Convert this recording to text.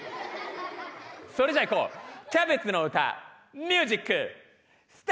それじゃあいこうキャベツの歌ミュージックスタート！